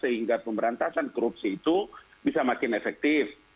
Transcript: sehingga pemberantasan korupsi itu bisa makin efektif